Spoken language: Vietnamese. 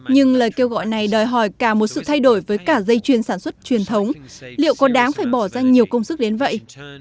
nhưng lời kêu gọi này đòi hỏi cả một sự thay đổi với cả dây chuyền sản xuất truyền thống liệu có đáng phải bỏ ra nhiều công sức đến vậy